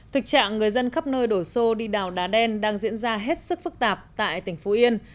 thực trạng người dân khắp nơi đổ xô đi đào đá đen đang diễn ra hết sức phức tạp tại tỉnh phú yên